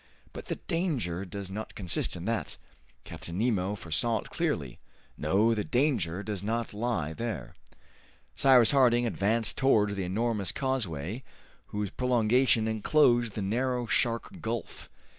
But the danger does not consist in that! Captain Nemo foresaw it clearly! No, the danger does not lie there!" Cyrus Harding advanced towards the enormous causeway whose prolongation enclosed the narrow Shark Gulf.